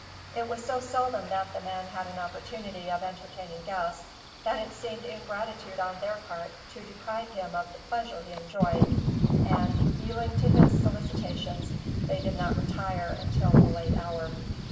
It was so seldom that the man had an opportunity of entertaining guests, that it seemed ingratitude on their part to deprive him of the pleasure he enjoyed; and, yielding to his solicitations, they did not retire until a late hour.